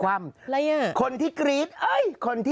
อย่าบอกไม่ต้องปิดเบรกสิ